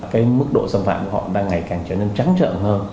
cái mức độ xâm phạm của họ đang ngày càng trở nên trắng trợn hơn